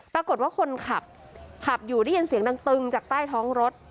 ปรากฏว่าคนขับขับอยู่ได้ยินเสียงดังตึงจากใต้ท้องรถ